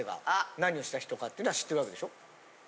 何をした人かってのは知ってる訳でしょ？